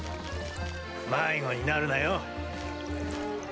迷子になるなよ。